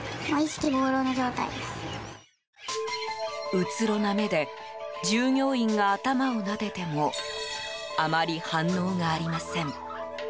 うつろな目で従業員が頭をなでてもあまり反応がありません。